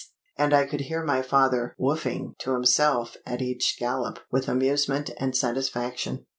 And I could hear my father 'wooffing' to himself at each gallop with amusement and satisfaction.